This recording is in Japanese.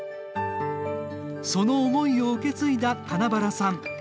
その思いを受け継いだ金原さん。